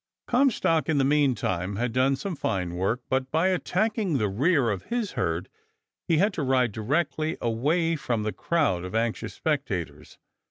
Comstock, in the meantime, had done some fine work, but by attacking the rear of his herd he had to ride directly away from the crowd of anxious spectators.